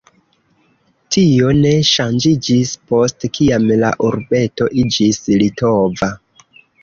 Tio ne ŝanĝiĝis, post kiam la urbeto iĝis litova.